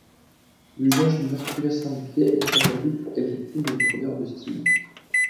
L'usage du masculin singulier a prévalu pour éviter les lourdeurs de style.